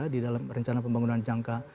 di dalam rencana pembangunan jangka